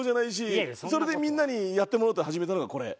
それでみんなにやってもらおうって始めたのがこれ。